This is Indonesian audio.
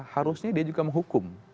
harusnya dia juga menghukum